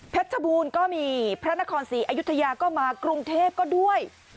ชบูรณ์ก็มีพระนครศรีอยุธยาก็มากรุงเทพก็ด้วย